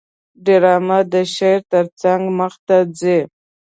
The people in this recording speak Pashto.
ډرامه د شعر ترڅنګ مخته ځي